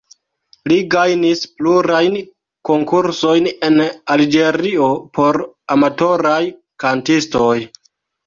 Li gajnis plurajn konkursojn en Alĝerio por amatoraj kantistoj.